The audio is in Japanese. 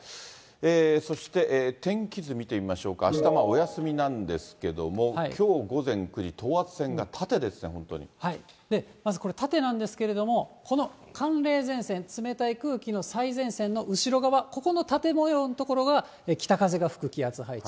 そして天気図見てみましょうか、あしたはお休みなんですけども、きょう午前９時、まずこれ、縦なんですけれども、この寒冷前線、冷たい空気の最前線の後ろ側、ここの縦模様の所が北風が吹く気圧配置。